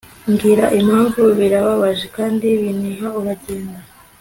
Mbwira impamvu birababaje kandi biniha uragenda